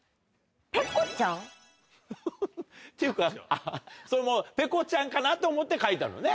フフフっていうかそれもうペコちゃんかなと思って描いたのね